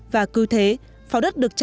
và cứ thế pháo đất được trả